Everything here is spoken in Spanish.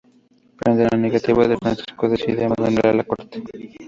Frente a la negativa de Francisco, decide abandonar la corte.